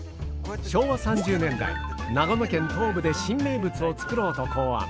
昭和３０年代長野県東部で新名物を作ろうと考案。